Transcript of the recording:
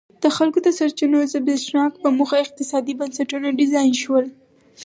د خلکو د سرچینو زبېښاک په موخه اقتصادي بنسټونه ډیزاین شول.